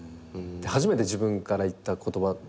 初めて自分から言った言葉でした。